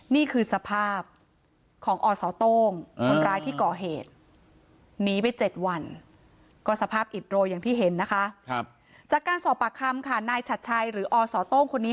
นี่คือสภาพของอศโต้งคนร้ายที่ก่อเหตุ